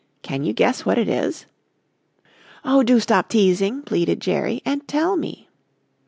Can you guess what it is?" "Oh, do stop teasing," pleaded Jerry, "and tell me."